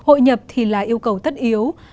hội nhập thì là yêu cầu tất yếu